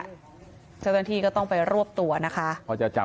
เฉพาะท่านทีก็ต้องไปรวบตัวนะคะ